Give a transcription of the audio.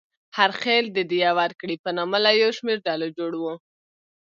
هر خېل د دیه ورکړې په نامه له یو شمېر ډلو جوړ و.